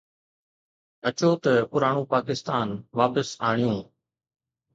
اچو ته پراڻو پاڪستان واپس آڻيون.